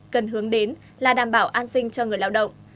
cần hướng đến là đảm bảo an sinh cho người lao động